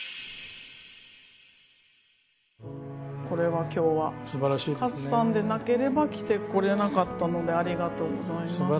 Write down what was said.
これは今日は克さんでなければ着てこれなかったのでありがとうございます。